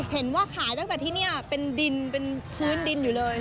เห็นว่าขายตั้งแต่ที่นี่เป็นดินเป็นพื้นดินอยู่เลย